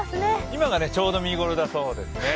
今がちょうど見頃だそうですね。